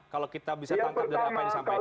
kalau kita bisa tangkap dari apa yang disampaikan